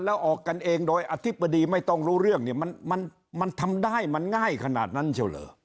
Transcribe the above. แล้วออกกันเองโดยอธิบดีไม่ต้องรู้เรื่องเนี่ยมันทำได้มันง่ายขนาดนั้นเชียวเหรอ